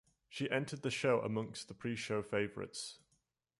She entered the show amongst the pre show favourites.